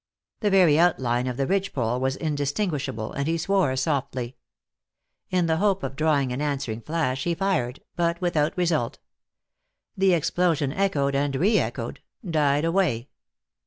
The very outline of the ridge pole was indistinguishable, and he swore softly. In the hope of drawing an answering flash he fired, but without result. The explosion echoed and reechoed, died away.